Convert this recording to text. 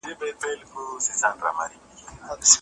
تاریخ کي یوازینی مشر دی